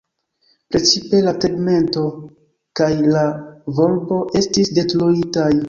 Precipe la tegmento kaj la volbo estis detruitaj.